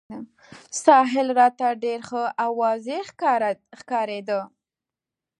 ساحل راته ډېر ښه او واضح ښکارېده.